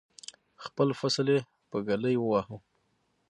خپل فصل یې په ږلۍ وواهه.